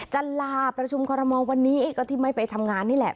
จะลาประชุมคอรมอลวันนี้ก็ที่ไม่ไปทำงานนี่แหละ